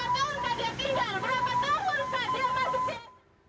berapa tahun kan dia tinggal berapa tahun kan dia masuk sini